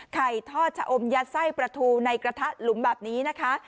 ทอดชะอมยัดไส้ประทูในกระทะหลุมแบบนี้นะคะ